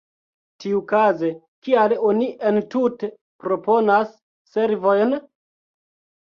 Tiukaze, kial oni entute proponas servojn?